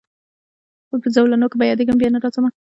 په زولنو کي به یادېږمه بیا نه راځمه